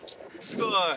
すごい。